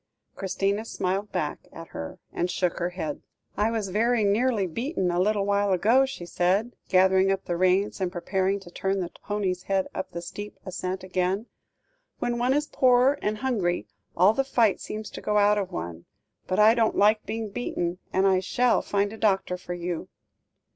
Christina smiled back at her and shook her head. "I was very nearly beaten a little while ago," she said, gathering up the reins and preparing to turn the pony's head up the steep ascent again; "when one is poor, and hungry, all the fight seems to go out of one. But I don't like being beaten, and I shall find a doctor for you."